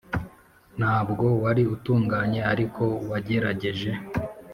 ntabwo wari utunganye, ariko wagerageje.